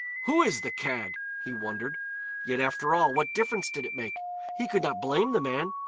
"Who is the cad," he wondered. Yet, after all, what difference did it make? He could not blame the man.